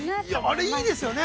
◆あれ、いいですよね。